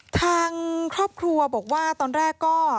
ทางครอบครัวบอกว่าตอนแรกก็